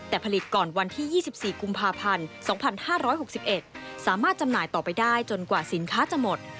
แต่ผลิตก่อนวันที่๒๔กุพสามารถจำหน่ายไปจนกว่าสินค้าจะหมด